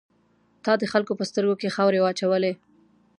تا د خلکو په سترګو کې خاورې واچولې.